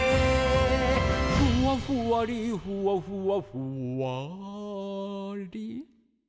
「ふわふわりふわふわふわり」